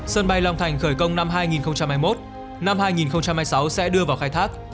sân bay long thành khởi công năm hai nghìn hai mươi một năm hai nghìn hai mươi sáu sẽ đưa vào khai thác